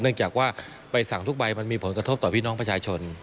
จากว่าใบสั่งทุกใบมันมีผลกระทบต่อพี่น้องประชาชน